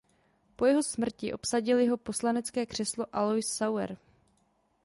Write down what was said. Po jeho smrti obsadil jeho poslanecké křeslo Alois Sauer.